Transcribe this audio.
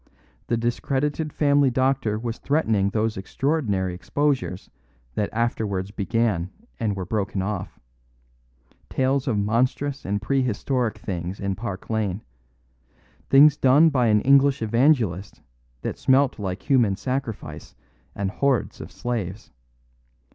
The discredited family doctor was threatening those extraordinary exposures that afterwards began and were broken off; tales of monstrous and prehistoric things in Park Lane; things done by an English Evangelist that smelt like human sacrifice and hordes of slaves.